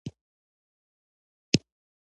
د یتیم او مسکین پالنه د ټولنې مسؤلیت دی.